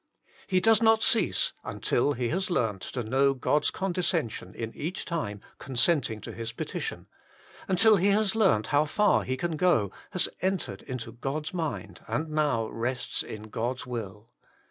He does not cease until he has learnt to know God s con descension in each time consenting to his petition, until he has learnt how far he can go, has entered into God s mind, and now rests in God s will.